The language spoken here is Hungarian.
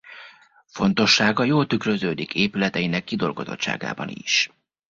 Fontossága jól tükröződik épületeinek kidolgozottságában is.